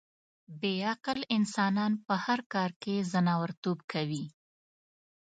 بې عقل انسانان په هر کار کې ځناورتوب کوي.